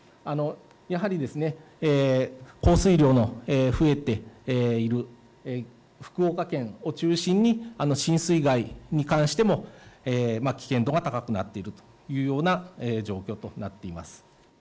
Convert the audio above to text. やはり降水量の増えている、福岡県を中心に浸水害に関しても危険度が高くなっているというような状況となっています。